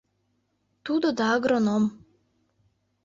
Тудо да агроном.